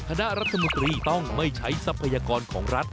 คณะรัฐมนตรีต้องไม่ใช้ทรัพยากรของรัฐ